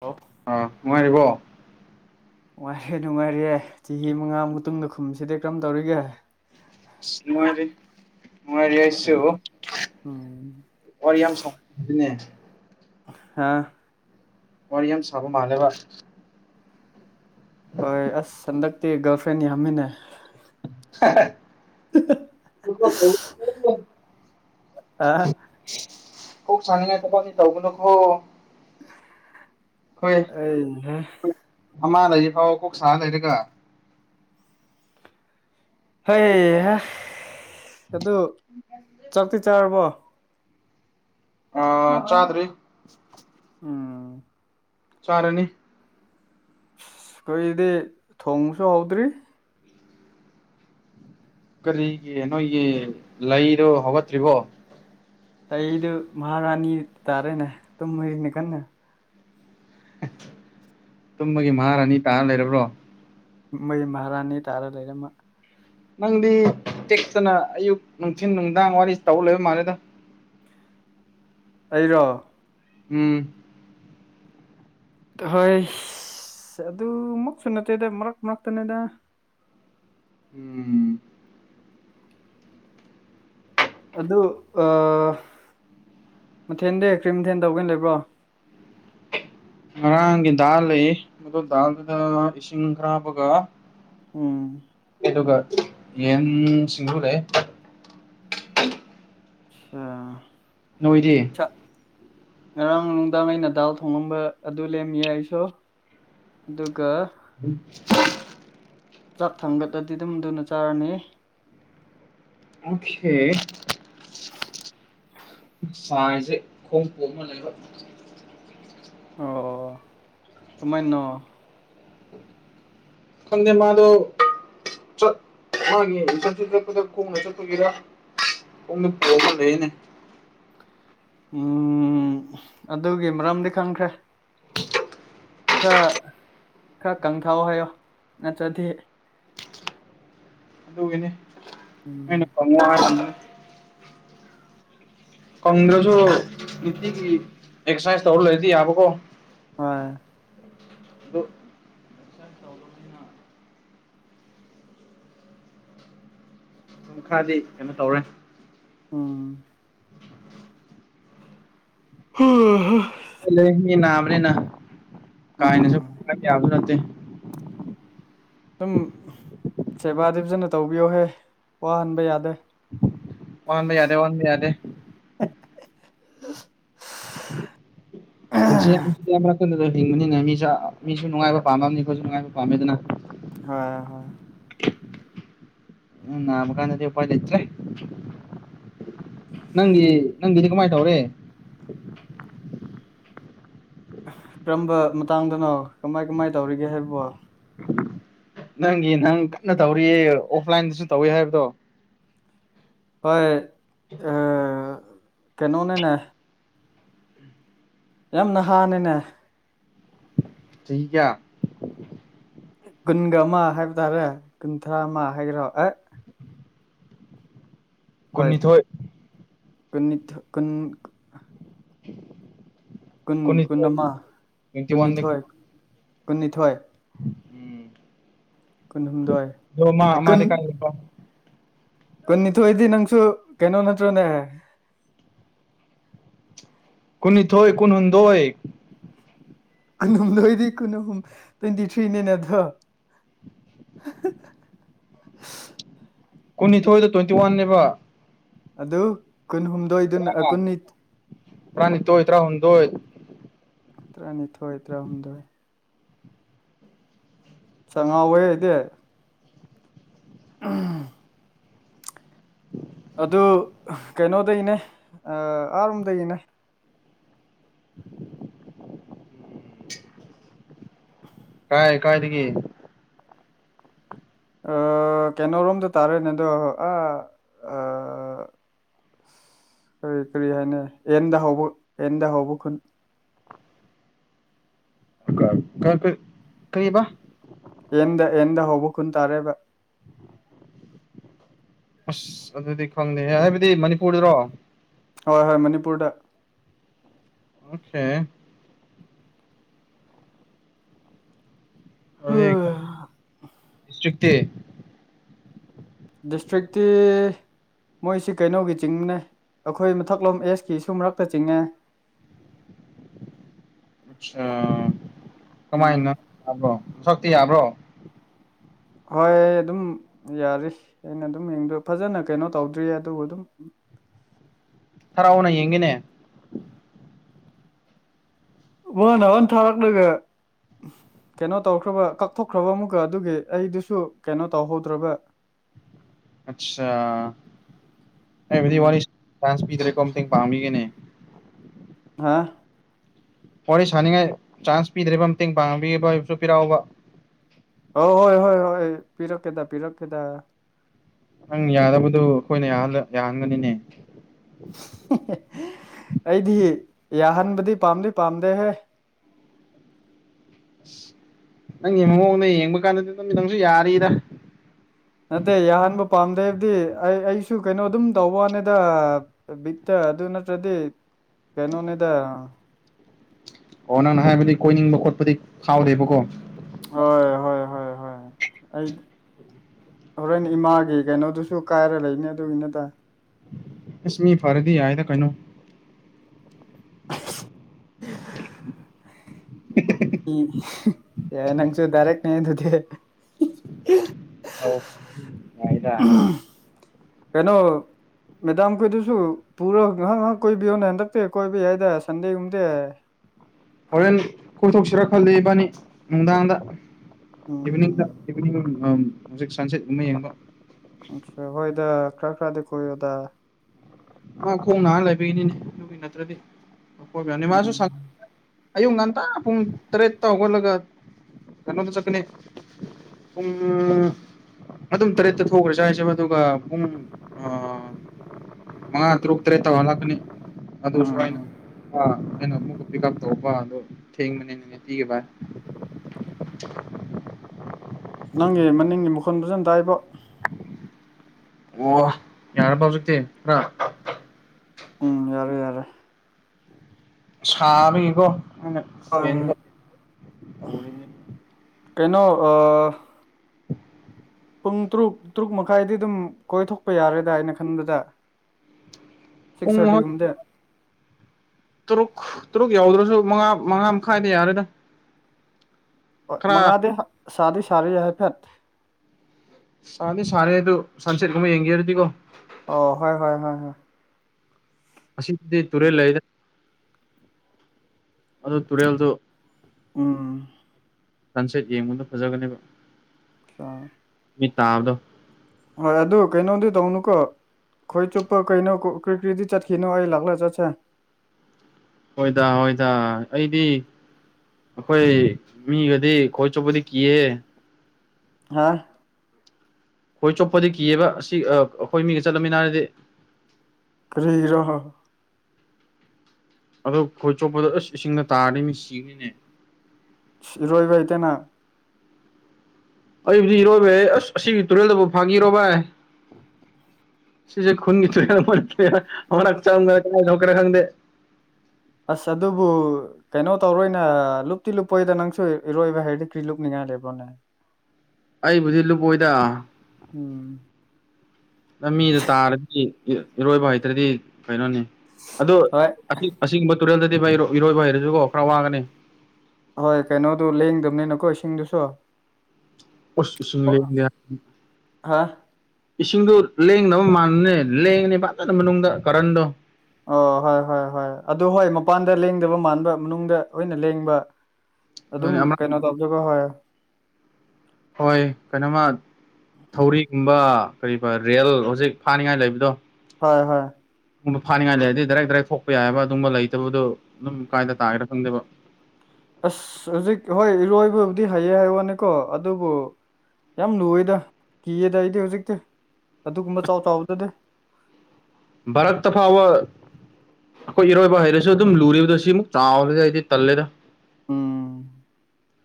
ꯑꯣ ꯑ ꯅꯨꯡꯉꯥꯏꯔꯤꯕꯣ ꯍꯣꯏ ꯅꯨꯡꯉꯥꯏꯔꯤꯌꯦ ꯆꯍꯤ ꯃꯉꯥ ꯃꯇꯨꯡꯗ ꯈꯨꯝꯁꯤꯗꯤ ꯀꯔꯝ ꯇꯧꯔꯤꯒꯦ ꯅꯨꯪꯉꯥꯏꯔꯤ ꯅꯨꯪꯉꯥꯏꯔꯤ ꯑꯩꯁꯨ ꯎꯝ ꯋꯥꯔꯤ ꯌꯥꯝ ꯁꯥꯎ ꯑꯗꯨꯅꯦ ꯍꯥ ꯋꯥꯔꯤ ꯌꯥꯝ ꯁꯥꯕ ꯃꯥꯂꯦꯕꯥ ꯍꯣꯏ ꯑꯁ ꯍꯟꯗꯛꯇꯤ ꯒꯥꯔꯜ ꯐ꯭ꯔꯦꯟ ꯌꯥꯝꯃꯤꯅꯦ ꯑ [unintelligible] ꯀꯣꯛ ꯁꯥꯅꯤꯉꯥꯏ ꯊꯕꯛꯇꯤ ꯇꯧꯒ ꯅꯨꯀꯣ ꯍꯣꯏ ꯑꯩꯍꯦ ꯑꯃꯥ ꯂꯩꯔꯤ ꯐꯥꯎ ꯀꯣꯛ ꯁꯥ ꯂꯩꯔꯒ ꯍꯩ ꯍꯥ ꯑꯗꯨ ꯆꯥꯛꯇꯤ ꯆꯥꯔꯕꯣ ꯑ ꯆꯥꯗ꯭ꯔꯤ ꯎꯝ ꯆꯥꯔꯅꯤ ꯈꯣꯏꯒꯤꯗꯤ ꯊꯣꯡꯕꯁꯨ ꯍꯧꯗ꯭ꯔꯤ ꯀꯔꯤꯒꯤ ꯅꯣꯏꯒꯤ ꯂꯩꯗꯣ ꯍꯧꯒꯠꯇ꯭ꯔꯤꯕꯣ ꯇꯩꯗꯨ ꯃꯍꯥꯔꯥꯅꯤ ꯇꯥꯔꯦꯅꯦ ꯇꯨꯝꯃꯔꯤꯅꯤ ꯀꯟꯅ ꯇꯨꯝꯕꯒꯤ ꯃꯍꯥꯔꯥꯅꯤ ꯇꯥꯔ ꯂꯩꯔꯕ꯭ꯔꯣ ꯃꯩ ꯃꯍꯥꯔꯥꯅꯤ ꯇꯥꯔ ꯂꯩꯔꯦ ꯃ ꯅꯪꯗꯤ ꯇꯦꯛꯇꯅ ꯑꯌꯨꯛ ꯅꯨꯡꯊꯤꯟ ꯅꯨꯡꯗꯥꯡ ꯋꯥꯔꯤ ꯇꯧ ꯂꯩꯕ ꯃꯥꯜꯂꯦꯗ ꯑꯩꯔꯣ ꯎꯝ ꯍꯣꯏ ꯑꯗꯨ ꯃꯛꯁꯨ ꯅꯠꯇꯦꯗ ꯃꯔꯛ ꯃꯔꯛꯇꯅꯦꯗ ꯎꯝ ꯑꯗꯨ ꯑ ꯃꯊꯦꯜꯗꯤ ꯀ꯭ꯔꯤ ꯃꯊꯦꯜ ꯇꯧꯒꯦꯅ ꯂꯩꯕ꯭ꯔꯣ ꯉꯔꯥꯡꯒꯤ ꯗꯥꯜ ꯂꯩꯌꯦ ꯑꯗꯨ ꯗꯥꯜꯗꯨꯗ ꯏꯁꯤꯡ ꯈꯔ ꯍꯥꯞꯄꯒ ꯎꯝ ꯑꯗꯨꯒ ꯌꯦꯟ ꯁꯤꯡꯖꯨ ꯂꯩ ꯑꯆꯥ ꯅꯣꯏꯗꯤ ꯉꯔꯥꯡ ꯅꯨꯡꯗꯥꯡ ꯑꯩꯅ ꯗꯥꯜ ꯊꯣꯡꯉꯝꯕ ꯑꯗꯨ ꯂꯦꯝꯃꯤꯌꯦ ꯑꯩꯁꯨ ꯑꯗꯨꯒ [unintelligible] ꯆꯥꯛ ꯊꯥꯡꯒꯠꯂꯗꯤ ꯑꯗꯨꯝ ꯑꯗꯨꯅ ꯆꯥꯔꯅꯤ ꯑꯣꯛꯈꯦ ꯁꯥꯏꯁꯦ ꯈꯣꯡ ꯄꯣꯝꯃ ꯂꯩꯕ ꯑꯣ ꯀꯃꯥꯏꯟꯅꯣ ꯈꯪꯗꯦ ꯃꯥꯗꯣ ꯆꯛꯄꯒꯤ ꯆꯔꯆ ꯆꯠꯄꯗ ꯈꯣꯡ ꯂꯩꯊꯠꯄꯒꯤꯔ ꯈꯣꯡꯗꯨ ꯄꯣꯝꯃ ꯂꯩꯅꯦ ꯎꯝ ꯑꯗꯨꯒꯤ ꯃꯔꯝꯗꯤ ꯈꯪꯈ꯭ꯔꯦ ꯈꯔ ꯈꯔ ꯀꯪꯊꯧ ꯍꯥꯏꯌꯣ ꯅꯠꯇ꯭ꯔꯗꯤ ꯑꯗꯨꯒꯤꯅꯤ ꯎꯝ ꯑꯩꯅ ꯀꯪꯉꯣ ꯍꯥꯏꯒꯤꯝꯅꯤ ꯀꯪꯗ꯭ꯔꯁꯨ ꯅꯤꯇꯤꯒꯤ ꯑꯦꯛꯁꯥꯏꯁ ꯇꯧꯔ ꯂꯩꯔꯗꯤ ꯌꯥꯕ ꯀꯣ ꯍꯣꯏ ꯑꯗꯨ ꯇꯧꯗꯕꯅꯤꯅ ꯈꯔꯗꯤ ꯀꯩꯅꯣ ꯇꯧꯔꯦ ꯎꯝ [unintelligible] ꯑꯥ ꯍꯥ ꯂꯩꯃꯤꯟꯅꯕꯅꯤꯅ ꯎꯝ ꯀꯥꯏꯅꯁꯨ [unintelligible] ꯌꯥꯕ ꯅꯠꯇꯦ ꯑꯗꯨꯝ ꯁꯦꯕꯥꯗꯤ ꯐꯥꯖꯅ ꯇꯧꯕꯤꯌꯣ ꯍꯦ ꯋꯥꯍꯟꯕ ꯌꯥꯗꯦ ꯋꯥꯍꯟꯕ ꯌꯥꯗꯦ ꯋꯥꯍꯟꯕ ꯌꯥꯗꯦ ꯄꯨꯟꯁꯤ ꯑꯃꯔꯛ ꯈꯛꯗ ꯍꯤꯡꯕꯅꯤꯅ ꯃꯤꯁ ꯃꯤꯁꯨ ꯅꯨꯡꯉꯥꯏꯕ ꯄꯥꯝꯔꯝꯅꯤ ꯑꯩꯈꯣꯏꯁꯨ ꯅꯨꯡꯉꯥꯏꯕ ꯄꯥꯝꯃꯦꯗꯅ ꯍꯣꯏ ꯍꯣꯏ ꯎꯝ ꯅꯥꯕ ꯀꯥꯟꯅꯗꯤ ꯎꯄꯥꯏ ꯂꯩꯇ꯭ꯔꯦ ꯅꯪꯒꯤ ꯅꯪꯒꯤꯗꯤ ꯀꯃꯥꯏꯟ ꯇꯧꯔꯦ ꯀꯔꯝꯕ ꯃꯇꯥꯡꯗꯅꯣ ꯀꯃꯥꯏ ꯀꯃꯥꯏ ꯇꯧꯔꯤꯒꯦ ꯍꯥꯏꯕꯕꯣ ꯅꯪꯒꯤ ꯅꯪ ꯀꯟꯅ ꯇꯧꯔꯤꯌꯦ ꯑꯣꯐ ꯂꯥꯏꯟꯗꯁꯨ ꯇꯧꯋꯦ ꯍꯥꯏꯕꯗꯣ ꯍꯣꯏ ꯑꯥ ꯀꯩꯅꯣꯅꯦ ꯌꯥꯝ ꯅꯍꯥꯅꯤꯅꯦ ꯆꯍꯤ ꯀꯌꯥ ꯀꯨꯟꯒ ꯑꯃ ꯍꯥꯏꯕ ꯇꯥꯔꯦ ꯀꯨꯟꯊ꯭ꯔꯥ ꯑꯃ ꯍꯥꯏꯒꯦꯔꯣ ꯑꯦ ꯀꯨꯟꯅꯤꯊꯣꯏ ꯀꯨꯟꯅꯤꯊꯣꯏ ꯀꯨꯟ [inaudible] ꯀꯨꯟ ꯀꯨꯟ ꯀꯨꯟꯅꯤꯊꯣꯏ ꯑꯃ ꯇ꯭ꯋꯦꯟꯇꯤ ꯋꯥꯟꯗ ꯀꯨꯟꯅꯤꯊꯣꯏ ꯀꯨꯟꯅꯤꯊꯣꯏ ꯎꯝ ꯀꯨꯟꯍꯨꯝꯗꯣꯏ ꯑꯗꯣ ꯃꯥ ꯑꯦ ꯀꯨꯟ ꯃꯥꯗꯤ ꯀꯥꯏ ꯂꯩꯕ꯭ꯔꯣ ꯀꯨꯟꯅꯤꯊꯣꯏꯗꯤ ꯅꯪꯁꯨ ꯀꯩꯅꯣ ꯅꯠꯇ꯭ꯔꯣꯅꯦ ꯀꯨꯟꯅꯤꯊꯣꯏ ꯀꯨꯟꯍꯨꯝꯗꯣꯏ ꯀꯨꯍꯨꯝꯗꯣꯏꯗꯤ ꯀꯨꯟ ꯑꯍꯨꯝ ꯇ꯭ꯋꯦꯟꯇꯤ ꯊ꯭ꯔꯤꯅꯤꯅꯦ ꯑꯗꯣ ꯀꯨꯟꯅꯤꯊꯣꯏꯗꯨ ꯇ꯭ꯋꯦꯟꯇꯤ ꯋꯥꯟꯅꯦꯕ ꯑꯗꯨ ꯀꯨꯟ ꯍꯨꯝꯗꯣꯏꯗꯨꯅ ꯑꯥ ꯀꯨꯟꯅꯤ ꯇꯔꯥꯅꯤꯊꯣꯏ ꯇꯔꯥ ꯍꯨꯝꯗꯣꯏ ꯇꯔꯥꯅꯤꯊꯣꯏ ꯇꯔꯥꯍꯨꯝꯗꯣꯏ ꯆꯥ ꯉꯥꯎꯋꯦ ꯑꯩꯗꯤ [unintelligible] ꯑꯗꯨ ꯀꯩꯅꯣꯗꯒꯤꯅꯦ ꯑꯥꯔꯣꯝꯗꯩꯅꯦ ꯀꯥꯏ ꯀꯥꯏ ꯗꯒꯤ ꯀꯩꯅꯣꯣꯔꯣꯝꯗ ꯇꯥꯔꯦꯅꯦ ꯑꯗꯣ ꯑꯥ ꯀꯔꯤ ꯀꯔꯤ ꯍꯥꯏꯅꯤ ꯑꯦꯟꯗ ꯍꯧꯕ ꯑꯦꯟꯗ ꯍꯧꯕ ꯈꯨꯟ ꯀ ꯀ ꯀꯩꯕ ꯑꯦꯟꯗ ꯑꯦꯟꯗ ꯍꯧꯕ ꯈꯨꯟ ꯇꯥꯔꯦꯕ ꯑꯁ ꯑꯗꯨꯗꯤ ꯈꯪꯗꯦ ꯍꯥꯏꯕꯗꯤ ꯃꯅꯤꯄꯨꯔꯗꯔꯣ ꯍꯣꯏ ꯍꯣꯏ ꯃꯅꯤꯄꯨꯔꯗ [unintelligible] ꯗꯤꯁꯇ꯭ꯔ꯭ꯤꯛ ꯇꯤ ꯗꯤꯁꯇ꯭ꯔꯤꯛꯇꯤ ꯃꯣꯏꯁꯤ ꯀꯩꯅꯣꯒꯤ ꯆꯤꯡꯕꯅꯦ ꯑꯩꯈꯣꯏ ꯃꯊꯛꯂꯣꯝ ꯑꯦꯁꯀꯤꯁꯨ ꯃꯔꯛꯇ ꯆꯤꯡꯉꯦ ꯑꯠꯁꯥ ꯎꯝ ꯀꯃꯥꯏꯅ ꯇꯥꯕ꯭ꯔꯣ ꯁꯛꯇꯤ ꯌꯥꯕ꯭ꯔꯣ ꯍꯣꯏ ꯑꯗꯨꯝ ꯌꯥꯔꯤ ꯑꯩꯅ ꯑꯗꯨꯝ ꯌꯦꯡꯗ ꯐꯖꯅ ꯀꯩꯅꯣ ꯇꯧꯗ꯭ꯔꯤ ꯑꯗꯨꯕꯨ ꯑꯗꯨꯝ ꯊꯔꯥꯛꯎꯅ ꯌꯦꯡꯒꯦꯅꯦ ꯋꯥ ꯅꯅꯥ ꯊꯥꯔꯛꯂꯒ ꯀꯩꯅꯣ ꯇꯧꯈ꯭ꯔꯕ ꯀꯛꯊꯣꯛꯈ꯭ꯔꯕ ꯑꯃꯨꯛꯀ ꯑꯗꯨꯒꯤ ꯑꯩꯗꯨꯁꯨ ꯀꯩꯅꯣ ꯇꯧꯍꯧꯗ꯭ꯔꯕ [unintelligible] ꯑꯁꯥ ꯑꯩꯕꯨꯗꯤ ꯎꯝ ꯋꯥꯔꯤ ꯆꯟꯁ ꯄꯤꯗꯔ꯭ꯦꯀꯣ ꯃꯇꯦꯡ ꯄꯥꯡꯕꯤꯒꯅꯤ ꯍꯥꯥ ꯋꯥꯔꯤ ꯁꯥꯥꯟꯅꯤꯡꯉꯥꯏ ꯆꯥꯟꯁ ꯄꯤꯗ꯭ꯔꯤꯕ ꯃꯇꯦꯡ ꯄꯥꯡꯉꯕꯤꯕꯁꯨ ꯄꯤꯔꯥꯎꯕ ꯑ ꯍꯣꯏ ꯍꯣꯏ ꯍꯣꯏ ꯄꯤꯔꯛꯀꯦꯗ ꯄꯤꯔꯛꯀꯦꯗ ꯅꯪ ꯌꯥꯗꯕꯗꯨ ꯑꯩꯈꯣꯏꯅ ꯌꯥꯍꯟꯒꯅꯤꯅꯦ ꯑꯩꯗꯤ ꯌꯥꯍꯟꯕꯗꯤ ꯄꯥꯝꯗꯤ ꯄꯥꯝꯗꯦꯍꯦ ꯑꯁ ꯅꯪꯒꯤ ꯃꯑꯣꯡꯅ ꯌꯦꯡꯕ ꯀꯥꯟꯗꯗꯤ ꯑꯗꯨꯝ ꯅꯪꯁꯨ ꯌꯥꯔꯤꯗ ꯅꯠꯇꯦ ꯌꯥꯍꯟꯕ ꯄꯥꯝꯗꯦ ꯍꯥꯏꯕꯗꯤ ꯑꯩ ꯑꯩꯁꯨ ꯀꯩꯅꯣ ꯑꯗꯨꯝ ꯇꯧꯕ ꯋꯥꯅꯤꯗ ꯕꯤꯠꯇ ꯑꯗꯨ ꯅꯠꯇ꯭ꯔꯗꯤ ꯀꯩꯅꯣꯅꯦꯗ ꯑꯣ ꯅꯪꯅ ꯍꯥꯏꯕꯗꯤ ꯀꯣꯏꯅꯤꯡꯕ ꯈꯣꯠꯄꯗꯤ ꯐꯥꯎꯗꯦꯕꯀꯣ ꯍꯣꯏ ꯍꯣꯏ ꯍꯣꯏ ꯍꯣꯏ ꯑꯩ ꯍꯣꯔꯦꯟ ꯏꯃꯥꯒꯤ ꯀꯩꯅꯣꯗꯨꯁꯨ ꯀꯥꯏꯔ ꯂꯩꯅꯤ ꯑꯗꯨꯒꯤꯅ ꯇ ꯑꯁ ꯃꯤ ꯐꯔꯗꯤ ꯌꯥꯏꯗ ꯀꯩꯅꯣ [inaudible] ꯌꯥꯏ ꯅꯪꯁꯨ ꯗꯥꯏꯔꯛꯅꯦ ꯑꯗꯨꯗꯤ ꯑꯣ ꯌꯥꯏꯗꯥ ꯀꯩꯅꯣ ꯃꯦꯗꯥꯝꯈꯣꯏꯗꯨꯁꯨ ꯄꯨꯔ ꯉꯥꯏꯍꯥꯛ ꯉꯥꯏꯍꯥꯛ ꯀꯣꯏꯕꯤꯌꯣꯅꯦ ꯍꯟꯗꯛꯇꯤ ꯀꯣꯏꯕ ꯌꯥꯏꯗ ꯁꯟꯗꯦꯒꯨꯝꯕꯗꯤ ꯍꯣꯔꯦꯟ ꯀꯣꯏꯊꯣꯛꯁꯤꯔ ꯈꯂ ꯏꯕꯥꯅꯤ ꯅꯨꯡꯗꯥꯡꯗ [unintelligible] ꯏꯚꯤꯅꯤꯡꯗ ꯏꯚꯅꯤꯡ ꯍꯧꯖꯤꯛ ꯁꯟꯁꯦꯠ ꯒꯨꯝꯕ ꯌꯦꯡꯕ ꯑ ꯍꯣꯏꯗ ꯈꯔ ꯈꯔꯗꯤ ꯀꯣꯏ ꯑꯣꯗꯥ ꯑ ꯈꯣꯡ ꯅꯥ ꯂꯩꯕꯒꯤꯅꯤꯅꯦ ꯑꯗꯨꯒꯤ ꯅꯠꯇ꯭ꯔꯗꯤ ꯀꯣꯏꯕꯅꯤ ꯃꯥꯁꯨ ꯎꯝ ꯁꯪ ꯑꯌꯨꯛ ꯉꯟꯇꯥ ꯄꯨꯡ ꯇꯔꯦꯠꯇ ꯍꯧꯒꯠꯂꯒ ꯀꯩꯅꯣꯗ ꯆꯠꯀꯅꯤ ꯄꯨꯡ ꯑꯗꯨꯝ ꯇꯔꯦꯠꯇ ꯊꯣꯛꯈ꯭ꯔꯁꯨ ꯌꯥꯏ ꯑꯗꯨꯒ ꯄꯨꯡ ꯃꯉꯥ ꯇꯔꯨꯛ ꯇꯔꯦꯠ ꯇꯧꯍꯜꯂꯛꯀꯅꯤ ꯑꯗꯨꯁꯨ ꯎꯝ ꯑꯩꯅ ꯑ ꯑꯩꯅ ꯑꯃꯨꯛꯀ ꯄꯤꯛ ꯑꯞ ꯇꯧꯕ ꯑꯗꯣ ꯊꯦꯡꯕꯅꯦ ꯅꯣꯃꯤꯠꯇꯤ ꯚꯥꯏ [inaudible] ꯅꯪꯒꯤ ꯃꯅꯤꯡꯒꯤ ꯃꯈꯨꯟ ꯐꯖꯅ ꯇꯏꯕꯣ꯫ ꯑꯣ ꯌꯥꯔꯕ ꯍꯧꯖꯤꯛꯇꯤ ꯈꯔ ꯎꯝ ꯌꯥꯔꯦ ꯌꯥꯔꯦ꯫ ꯁꯥꯕꯒꯤꯀꯣ ꯑꯩꯅ꯫ ꯎꯝ ꯐꯦꯟꯗ ꯇꯧꯔꯤꯅꯤ ꯀꯩꯅꯣ ꯑ ꯄꯨꯡ ꯇꯔꯨꯛ ꯇꯔꯨꯛ ꯃꯈꯥꯏꯗꯤ ꯑꯗꯨꯝ ꯀꯣꯏꯊꯣꯛꯄ ꯌꯥꯔꯦꯗꯥ ꯑꯩꯏꯅ ꯈꯟꯕꯗ꯫ ꯁꯤꯛꯁ ꯄꯨꯡ ꯍꯣꯏ ꯊꯔꯇꯤꯒꯨꯝꯗꯦ꯫ ꯇꯔꯨꯛ ꯇꯔꯨꯛ ꯌꯥꯎꯗ꯭ꯔꯁꯨ ꯃꯉꯥ ꯃꯉꯥ ꯃꯈꯥꯏꯗ ꯌꯥꯔꯦꯗ꯫ ꯍꯣꯏ ꯈꯔ ꯃꯉꯥꯗꯤ ꯁꯥꯗꯤ ꯁꯥꯔꯤ ꯍꯥꯏꯐꯦꯠ꯫ ꯁꯥꯗꯤ ꯁꯥꯔꯦ ꯑꯗꯨ ꯁꯟꯁꯦꯠꯒꯨꯝꯕ ꯌꯦꯡꯒꯦ ꯍꯥꯏꯔꯗꯤ ꯀꯣ ꯑꯣ ꯍꯣꯏ ꯍꯣꯏ ꯍꯣꯏ ꯍꯣꯏ ꯑꯁꯤꯗꯤ ꯇꯨꯔꯦꯜ ꯂꯩ ꯑꯗꯨ ꯇꯨꯔꯦꯜꯗꯨ꯫ ꯎꯝ꯫ ꯁꯟꯁꯦꯠ ꯌꯦꯡꯕꯗꯣ ꯐꯖꯒꯅꯦꯕ꯫ ꯁꯥ ꯃꯤꯠ ꯇꯕꯗꯣ꯫ ꯍꯣꯏ ꯑꯗꯨ ꯀꯩꯅꯣꯗꯤ ꯇꯧꯅꯨꯀꯣ꯫ ꯈꯣꯏ ꯆꯨꯞꯄ ꯀꯩꯅꯣ ꯀꯔꯤ ꯀꯔꯤꯗꯤ ꯆꯠꯈꯤꯅꯣ ꯑꯩ ꯂꯥꯛꯂꯒ ꯆꯠꯁꯦ꯫ ꯍꯣꯏꯗꯥ ꯍꯣꯏꯗꯥ ꯑꯩꯗꯤ꯫ ꯑꯩꯈꯣꯏ ꯃꯤꯒꯗꯤ ꯈꯣꯏ ꯆꯣꯄꯗꯤ ꯀꯤꯌꯦ꯫ ꯉꯍꯥ ꯈꯣꯏ ꯆꯣꯞꯄꯗꯤ ꯀꯤꯑꯕ ꯑꯁꯤ ꯑꯩꯈꯣꯏ ꯃꯤꯒ ꯆꯠꯂꯝꯃꯤꯅꯔꯗꯤ꯫ ꯀꯔꯤꯔꯣ꯫ ꯑꯗꯣ ꯈꯣꯏ ꯆꯣꯞꯄꯗ ꯑꯁ ꯏꯁꯤꯡꯗ ꯇꯥꯔꯗꯤ ꯃꯤ ꯁꯤꯒꯅꯤꯅꯦ꯫ ꯏꯔꯣꯏꯕ ꯍꯩꯇꯦꯅ ꯑꯩꯕꯨꯗꯤ ꯏꯔꯣꯏꯕ ꯍꯩ ꯑꯁ ꯑꯁꯤꯒꯤ ꯇꯨꯔꯦꯜꯗꯕꯨꯥꯎ ꯐꯥꯒꯤꯔꯣꯚꯏ꯫ ꯁꯤꯁꯦ ꯈꯨꯟꯒꯤ [unintelligible] ꯈꯪꯗꯦ ꯑꯁ ꯑꯗꯨꯕꯨ꯫ ꯀꯩꯅꯣ ꯇꯧꯔꯣꯏꯅꯦ ꯂꯨꯞꯇꯤ ꯂꯨꯞꯄꯣꯏꯗ ꯅꯪꯁꯨ ꯏꯔꯣꯏꯕ ꯍꯥꯏꯔꯗꯤ ꯀ꯭ꯔꯤ ꯂꯨꯞꯅꯤꯡꯉꯥꯏ ꯂꯩꯕ꯭ꯔꯣꯅꯦ꯫ ꯑꯩꯕꯨꯗꯤ ꯂꯨꯕꯣꯏꯗ꯫ ꯎꯝ꯫ ꯂꯝ ꯃꯤꯗ ꯇꯥꯔꯗꯤ ꯏꯔꯣꯏꯕ ꯍꯩꯇ꯭ꯔꯗꯤ ꯀꯩꯅꯣꯅꯤ ꯑꯗꯨ ꯍꯣꯏ ꯑꯁꯤ ꯑꯁꯤꯒꯨꯝꯕ ꯇꯨꯔꯦꯜꯗꯗꯤ ꯚꯥꯏ ꯏꯔꯣꯏꯕ ꯍꯩꯔꯁꯨꯀꯣ ꯈꯔ ꯋꯥꯒꯅꯤ꯫ ꯍꯣꯏ ꯀꯩꯅꯣꯗꯨ ꯂꯦꯡꯗꯕꯅꯤꯅꯀꯣ ꯏꯁꯤꯡꯗꯨꯁꯨ꯫ ꯎꯁ ꯏꯁꯤꯡ ꯂꯦꯡ ꯍꯥ [unintelligible] ꯏꯁꯤꯡꯗꯨ ꯂꯦꯡꯗꯕ ꯃꯥꯟꯕꯅꯦ ꯂꯦꯡꯉꯅꯦ ꯐꯖꯅ ꯃꯅꯨꯡꯗ ꯀꯔꯟꯗꯣ꯫ ꯑꯣ ꯍꯣꯏ ꯍꯣꯏ ꯍꯣꯏ꯫ ꯑꯗꯨ ꯍꯣꯏ ꯃꯄꯥꯟꯗ ꯂꯦꯡꯗꯕ ꯃꯥꯟꯕ ꯃꯅꯨꯡꯗ ꯑꯣꯏꯅ ꯂꯦꯡꯕ꯫ ꯑꯗꯨꯝ ꯑꯗꯨꯅꯤ ꯑꯃ ꯀꯩꯅꯣ ꯇꯧꯖꯕ ꯍꯣꯏ꯫ ꯍꯣꯏ ꯀꯩꯅꯣꯃ ꯊꯧꯔꯤꯒꯨꯝꯕ ꯀꯔꯤꯕ ꯔꯦꯜ ꯍꯧꯖꯤꯛ ꯐꯥꯅꯤꯡꯉꯥꯏ ꯂꯩꯕꯗꯣ꯫ ꯍꯣꯏ ꯍꯣꯏ꯫ [unintelligible] ꯐꯥꯅꯤꯡꯉꯥꯏ ꯂꯩꯔꯗꯤ ꯗꯥꯏꯔꯦꯛ ꯗꯥꯏꯔꯦꯛ ꯊꯣꯛꯄ ꯌꯥꯏꯑꯕ ꯑꯗꯨꯒꯨꯕ ꯂꯩꯇꯕꯗꯨ ꯑꯗꯨꯝ ꯀꯥꯏꯗ ꯇꯥꯒꯦ ꯈꯪꯗꯦꯕ꯫ ꯑꯁ ꯍꯧꯖꯤꯛ ꯍꯣꯏ ꯏꯔꯣꯏꯕꯕꯨꯗꯤ ꯍꯩꯌꯦ ꯍꯥꯏ ꯋꯥꯅꯤꯀꯣ ꯑꯗꯨꯕꯨ ꯌꯥꯝ ꯂꯨꯑꯦꯗ ꯀꯤꯌꯦꯗ ꯑꯩꯗꯤ ꯍꯧꯖꯤꯛꯇꯤ ꯑꯗꯨꯒꯨꯝꯕ ꯆꯥꯎ ꯆꯥꯎꯕꯗꯨꯗꯤ ꯕꯥꯔꯛꯇ ꯐꯥꯎꯕ ꯑꯩꯈꯣꯏ ꯏꯔꯣꯏꯕ ꯍꯩꯔꯁꯨ ꯑꯗꯨꯝ ꯂꯨꯔꯤꯕꯗꯣ ꯁꯤꯃꯨꯛ ꯆꯥꯎꯔꯦ ꯍꯥꯏꯗꯤ ꯇꯜꯂꯦꯗ ꯎꯝ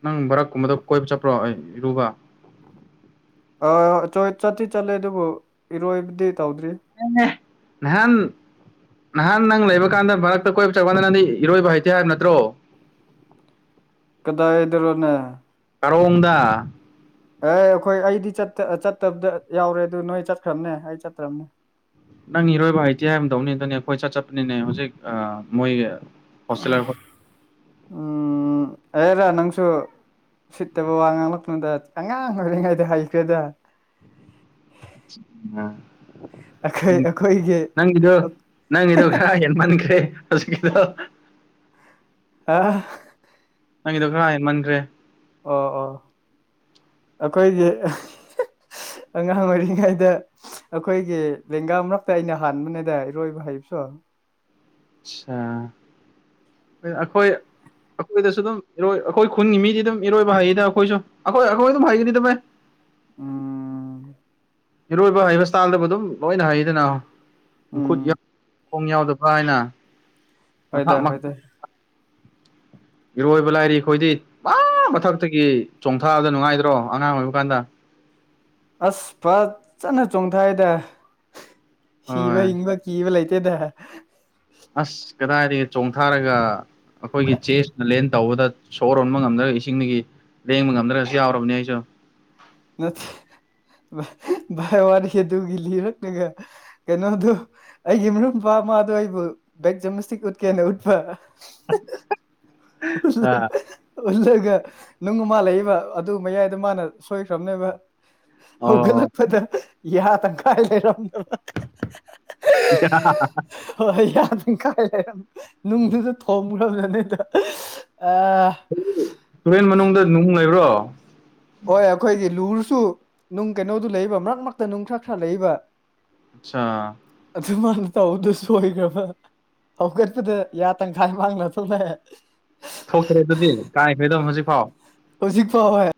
ꯅꯪ ꯚꯔꯛꯀꯨꯝꯕꯗ ꯀꯣꯏꯕ ꯆꯠꯄ꯭ꯔꯣ ꯑꯩ ꯏꯔꯨꯕ ꯑꯥ ꯆꯣꯏ ꯆꯠꯇꯤ ꯆꯠꯂꯦ ꯑꯗꯨꯕꯨ ꯏꯔꯣꯏꯕꯗꯤ ꯇꯧꯗ꯭ꯔꯤ [unintelligible] ꯅꯍꯥꯟ ꯅꯍꯥꯟ ꯅꯪ ꯂꯩꯕ ꯀꯥꯟꯗ ꯃꯔꯛꯇ ꯀꯣꯏꯕ ꯆꯠꯄꯀꯥꯟꯗ ꯅꯪꯗꯤ ꯏꯔꯣꯏꯕ ꯍꯩꯇꯦ ꯍꯥꯏꯕ ꯅꯠꯇ꯭ꯔꯣ ꯀꯗꯥꯏꯗꯔꯣꯅꯦ ꯀꯥꯔꯣꯡꯗ ꯑꯦ ꯑꯩꯈꯣꯏ ꯑꯩꯗꯤ ꯆꯠꯇ ꯆꯠꯇꯕꯗ ꯌꯥꯎꯔꯦ ꯑꯗꯨ ꯅꯣꯏ ꯆꯠꯈ꯭ꯔꯕꯅꯦ ꯑꯩ ꯆꯠꯇ꯭ꯔꯕꯅꯦ ꯅꯪ ꯏꯔꯣꯏꯕ ꯍꯩꯇꯦ ꯑꯥꯏ ꯑꯃꯗꯧꯅꯤ ꯑꯗꯨꯅꯦ ꯑꯩꯈꯣꯏ ꯀꯣꯢ ꯆꯠꯄꯅꯤꯅꯦ ꯍꯧꯖꯤꯛ ꯑꯥ ꯃꯣꯏ ꯍꯣꯁꯇꯦꯂꯔ ꯎꯝ ꯑꯦꯔꯥ ꯅꯪꯁꯨ ꯁꯤꯠꯇꯕ ꯋꯥ ꯉꯥꯡꯂꯛꯄꯨꯗ ꯑꯉꯥꯡ ꯑꯣꯏꯔꯤꯉꯩꯗ ꯍꯩꯈ꯭ꯔꯦꯗ [unintelligible] ꯑꯩꯈꯣꯏ ꯎꯝ ꯑꯩꯈꯣꯏꯒꯤ ꯅꯪ ꯁꯤꯗꯣ ꯅꯪ ꯏꯗꯣ ꯈꯔ ꯍꯦꯟ ꯃꯟꯈ꯭ꯔꯦ ꯍꯧꯖꯤꯛꯀꯤꯗꯣ ꯑꯥ ꯅꯪꯒꯤꯗꯣ ꯈꯔ ꯍꯦꯟꯃꯟꯈ꯭ꯔꯦ ꯑꯣ ꯑꯣ ꯑꯈꯣꯏꯗꯤ [unintelligible] ꯑꯉꯥꯡ ꯑꯣꯏꯔꯤꯉꯩꯗ ꯑꯈꯣꯏꯒꯤ ꯂꯦꯡꯒꯥ ꯃꯔꯛꯇ ꯑꯩꯅ ꯍꯥꯟꯕꯅꯦꯗ ꯏꯔꯣꯏꯕ ꯍꯩꯕꯁꯨ ꯆꯥ ꯑꯩ ꯑꯩꯈꯣꯏ ꯑꯩꯈꯣꯏꯗꯁꯨ ꯑꯗꯨꯝ ꯏꯔꯣꯢ ꯑꯩꯈꯣꯏ ꯈꯨꯟꯒꯤ ꯃꯤꯗꯤ ꯑꯗꯨꯝ ꯏꯔꯣꯏꯕ ꯍꯩꯌꯦꯗ ꯑꯩꯈꯣꯏꯁꯨ ꯑꯩꯈꯣꯏ ꯑꯩꯈꯣꯏ ꯑꯗꯨꯝ ꯍꯩꯒꯅꯤꯗ ꯚꯩ꯫ ꯎꯝ꯫ ꯏꯔꯣꯏꯕ ꯍꯩꯕ ꯁ꯭ꯇꯥꯏꯜꯗꯕꯨ ꯑꯗꯨꯝ ꯂꯣꯏꯅ ꯍꯩꯗꯅ ꯎꯝ ꯃꯈꯨꯠ ꯌꯥ꯫ ꯈꯣꯡ ꯌꯥꯎꯗꯕ ꯀꯥꯏꯅ ꯃꯊꯥꯛ꯫ ꯍꯣꯏꯗ ꯍꯣꯏꯗ [unintelligible] ꯏꯔꯣꯏꯕ ꯂꯥꯏꯔꯤ ꯈꯣꯏꯗꯤ꯫ ꯃꯥ ꯃꯊꯛꯇꯒꯤ ꯆꯣꯡꯊꯥꯕꯗ ꯅꯨꯡꯉꯥꯏꯗ꯭ꯔꯣ ꯑꯉꯥꯡ ꯑꯣꯏꯕ ꯀꯥꯟꯗ꯫ ꯑꯁ ꯐꯠꯖꯅ ꯆꯣꯡꯊꯥꯏꯗ ꯍꯣꯏ ꯍꯤꯕ ꯍꯤꯡꯕ꯫ ꯀꯤꯕ ꯂꯩꯇꯦꯗ꯫ ꯑꯁ ꯀꯗꯥꯏꯗꯒꯤ ꯆꯣꯡꯊꯥꯔꯒ꯫ ꯑꯈꯣꯏꯒꯤ ꯆꯦꯁꯅ ꯂꯦꯟ ꯇꯧꯕꯗ ꯁꯣꯔ ꯍꯣꯟꯕ ꯉꯝꯗ꯭ꯔꯒ ꯏꯁꯤꯡꯗꯒꯤ꯫ ꯂꯦꯡꯕ ꯉꯝꯗ꯭ꯔꯁꯨ ꯌꯥꯎꯔꯕꯅꯦ ꯑꯩꯁꯨ꯫ ꯅꯠꯇꯦ ꯚꯥꯏ ꯋꯥꯔꯤ ꯑꯗꯨꯒꯤ ꯂꯤꯔꯛꯔꯒ ꯀꯩꯅꯣꯗꯨ꯫ ꯑꯩꯒꯤ ꯃꯔꯨꯝ ꯄꯥꯃꯗꯣ ꯑꯩꯕꯨ ꯕꯦꯛ ꯖꯦꯝꯅꯥꯁꯇꯤꯛ ꯎꯠꯀꯦꯅ ꯎꯠꯄ꯫ ꯑ [unintelligible] ꯎꯜꯂꯒ ꯅꯨꯡ ꯃꯥ ꯂꯩꯕ ꯑꯗꯨ ꯃꯌꯥꯏꯗ ꯃꯥꯅ ꯁꯣꯏꯈ꯭ꯔꯕꯅꯦꯕ꯫ ꯑꯣ ꯍꯧꯒꯠꯂꯛꯄꯗ ꯌꯥ ꯇꯪ ꯈꯥꯏ ꯂꯩꯔꯝꯗꯕ꯫ [unintelligible] ꯍꯣꯏ ꯌꯥ ꯇꯪꯈꯥꯏ ꯂꯩꯔꯝ ꯅꯨꯡꯗꯨꯗ ꯊꯣꯝꯈ꯭ꯔꯕ ꯖꯥꯅꯦꯗ꯫ [unintelligible] ꯑꯥ꯫ ꯎ ꯇꯨꯔꯦꯟ ꯃꯅꯨꯡꯗ ꯅꯨꯡ ꯂꯩꯕ꯭ꯔꯣ꯫ ꯍꯣꯏ ꯑꯩꯈꯣꯏꯗꯤ ꯂꯨꯔꯁꯨ ꯅꯨꯡ ꯀꯩꯅꯣꯗꯨ ꯂꯩꯕ ꯃꯔꯛ ꯃꯔꯛꯇ ꯅꯨꯡ ꯈꯔ ꯈꯔ ꯂꯩꯕ꯫ ꯑꯆꯥ꯫ ꯑꯗꯨ ꯃꯥꯅ ꯇꯧꯕꯗ ꯁꯣꯏꯒ‍꯭ꯔꯕꯥ꯫ ꯍꯧꯒꯠꯄꯗꯥ ꯌꯥ ꯇꯪꯈꯥꯏ ꯃꯥꯡꯂ ꯊꯣꯛꯂꯑꯦ꯫ ꯊꯣꯛꯇ꯭ꯔ ꯗꯨꯗꯤ ꯀꯥꯏꯈ꯭ꯔ‌‌ꯦ ꯗꯨꯝ ꯍꯧꯖꯤꯛ ꯐꯥꯎ꯫ ꯍꯧꯖꯤꯛ ꯐꯥꯎ ꯍꯣꯏ꯫